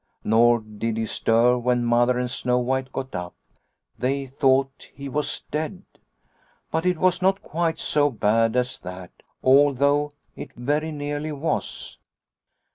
Nor did he stir when Mother and Snow White got up. They thought he was dead. " But it was not quite so bad as that, although it very nearly was."